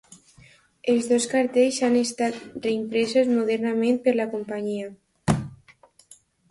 Els dos cartells han estat reimpresos modernament per la companyia.